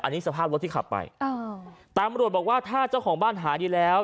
อันนี้สภาพรถที่ขับไปอ่าตำรวจบอกว่าถ้าเจ้าของบ้านหายดีแล้ว